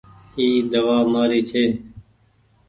اي دوآ مآري ڇي۔